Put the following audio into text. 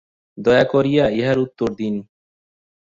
দয়া করিয়া ইহার উত্তর দিন।